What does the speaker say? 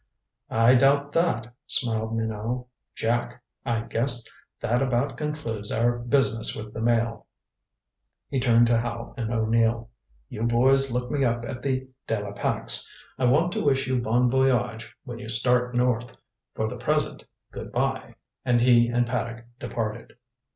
"I doubt that," smiled Minot. "Jack, I guess that about concludes our business with the Mail." He turned to Howe and O'Neill. "You boys look me up at the De la Pax. I want to wish you bon voyage when you start north. For the present good by." And he and Paddock departed.